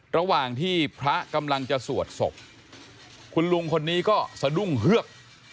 ระหว่างที่พระกำลังจะสวดศพคุณลุงคนนี้ก็สะดุ้งเฮือก